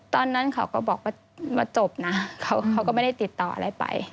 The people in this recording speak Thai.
ตอนนั้นเขาก็บอกว่ามาจบนะเขาก็ไม่ได้ติดต่ออะไรไป